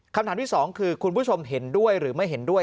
คำถามที่สองคือคุณผู้ชมเห็นด้วยหรือไม่เห็นด้วย